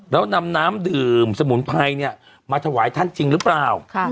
แล้วนำน้ำดื่มสมุนไพรเนี่ยมาถวายท่านจริงหรือเปล่า